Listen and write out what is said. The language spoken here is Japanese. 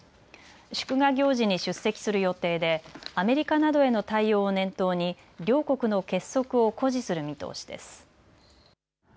祝賀行事に出席する予定でアメリカなどへの対応を念頭に両国の結束を誇示する見通しです。